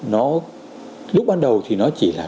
nó lúc ban đầu thì nó chỉ là